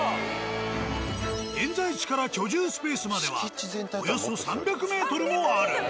現在地から居住スペースまではおよそ３００ｍもある。